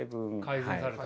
改善された。